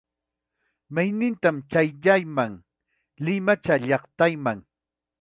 Maynintam chayayman, limacha llaqtaman.